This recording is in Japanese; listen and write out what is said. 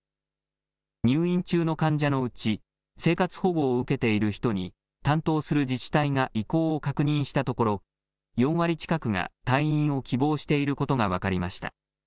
入院中の患者のうち生活保護を受けている人に担当する自治体が意向を確認したところ４割近くが退院を希望していることが分かりました。